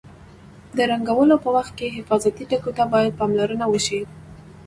د رنګولو په وخت کې حفاظتي ټکو ته باید پاملرنه وشي.